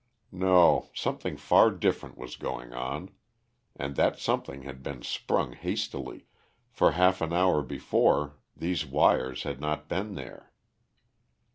No, something far different was going on. And that something had been sprung hastily, for half an hour before these wires had not been there.